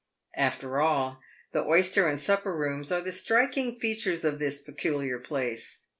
After all, the oyster and supper rooms are the striking features of this peculiar place.